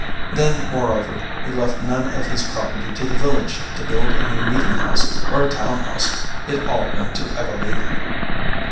Then, moreover, he left none of his property to the village to build a new meeting house or a town house. It all went to Evelina.